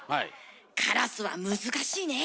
カラスは難しいねえ。